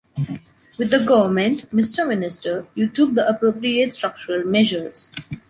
With the Government, Mr Minister, you took the appropriate structural measures.